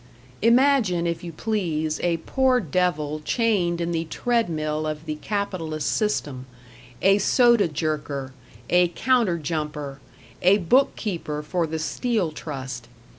Imagine, if you please, a poor devil chained in the treadmill of the capitalist system a "soda jerker", a "counter jumper", a book keeper for the Steel Trust.